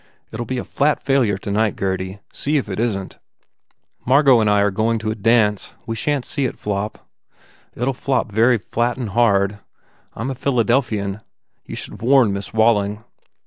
It ll be a flat fail ure, tonight, Gurdy. See if it isn t." "Margot and I are going to a dance. We shan t see it flop." "It ll flop very flat and hard. I m a Philadel phian. You should warn Miss Walling."